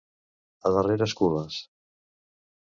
A darreres cules.